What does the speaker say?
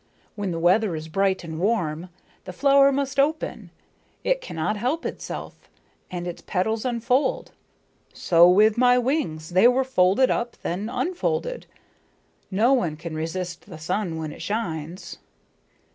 When the weather is bright and warm, the flower must open, it cannot help itself, and its petals unfold. So with my wings, they were folded up, then unfolded. No one can resist the sun when it shines."